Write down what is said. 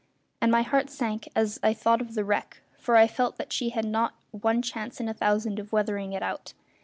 And my heart sank as I thought of the wreck, for I felt that she had not one chance in a thousand of weathering it out.